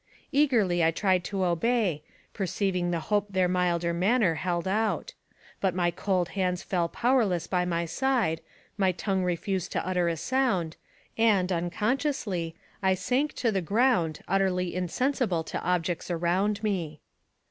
Eagerly I tried to obey, perceiving the hope their AMONG THE SIOUX INDIANS. 59 milder manner held out; but my cold hands fell pow erless by my side, my tongue refused to utter a sound, and, unconsciously, I sank to the ground utterly in sensible to objects around me.